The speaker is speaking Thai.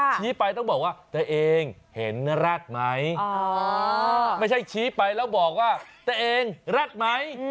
ชี้ไปต้องบอกว่าเดี๋ยวเองเห็นรัฐไหมไม่ใช่ชี้ไปแล้วบอกว่าเดี๋ยวเองรัฐไหม